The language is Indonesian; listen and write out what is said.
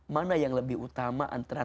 mana yang lebih utama antara